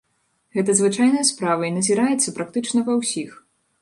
Гэта звычайная справа, і назіраецца практычна ва ўсіх.